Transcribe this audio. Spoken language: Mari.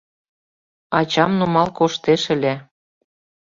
Ачам нумал коштеш ыле.